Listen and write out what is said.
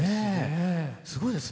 すごいですね。